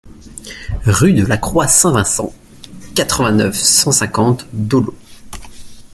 Rue de la Croix Saint-Vincent, quatre-vingt-neuf, cent cinquante Dollot